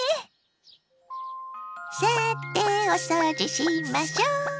さてお掃除しましょ！